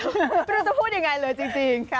ไม่รู้จะพูดยังไงเลยจริงค่ะ